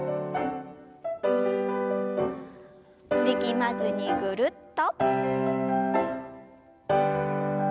力まずにぐるっと。